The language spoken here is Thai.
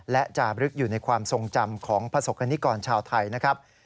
และจารึกอยู่ในความทรงจำของประสบกรณิกรชาวไทยนะครับ